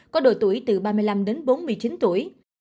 có độ tuổi từ ba mươi năm đến bốn mươi chín tuổi